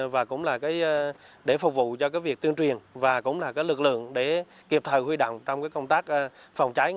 và cũng là để phòng cháy chữa cháy